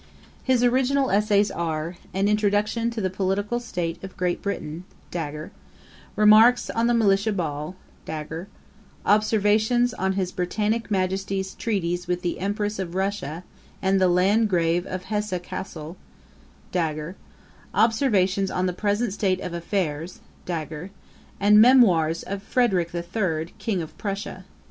His original essays are, 'An Introduction to the Political State of Great Britain;'[Dagger] 'Remarks on the Militia Bill;'[Dagger] 'Observations on his Britannick Majesty's Treaties with the Empress of Russia and the Landgrave of Hesse Cassel;'[Dagger] 'Observations on the Present State of Affairs;'[Dagger] and 'Memoirs of Frederick III, King of Prussia.'